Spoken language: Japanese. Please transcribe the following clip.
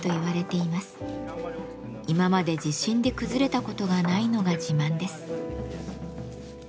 今まで地震で崩れたことがないのが自慢です。